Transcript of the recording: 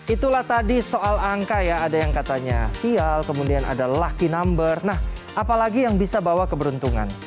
itulah tadi soal angka ya ada yang katanya sial kemudian ada lucky number nah apalagi yang bisa bawa keberuntungan